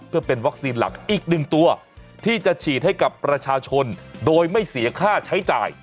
เพื่อเป็นวัคซีนหลักอีกหนึ่งตัวที่จะฉีดให้กับประชาชนโดยไม่เสียค่าใช้จ่าย